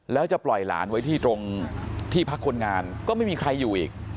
แล้วจะปล่อยหลานไว้ที่ตรงที่พักคนงานก็ไม่มีใครอยู่อีก